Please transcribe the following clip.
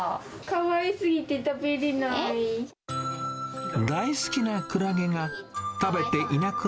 かわいすぎて食べれない。